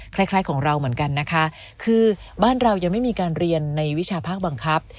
คล้ายของเราเหมือนกันนะคะคือบ้านเรายังไม่มีการเรียนในวิชาภาคบังคับ